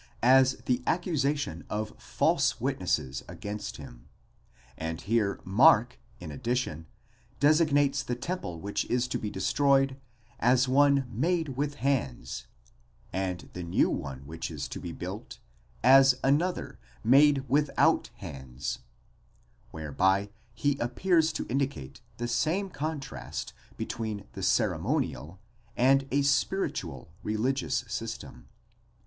as the accusation offalse witnesses against him; and here Mark, in addition, designates the temple which is to be destroyed, as one made with hands, χειροποίητος, and the new one which is to be built, as another, made without hands, ἄλλος, ἀχειροποίητος, whereby he appears to indicate the same contrast between a ceremonial and a spiritual religious system.